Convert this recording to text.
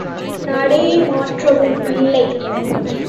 நடையை மாற்றவும் இல்லை.